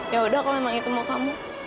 ya udah kalau memang itu mau kamu